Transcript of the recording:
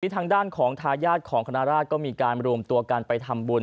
ที่ทางด้านของทายาทของขนาดภรรดิก็มีการรวมตัวการไปทำบน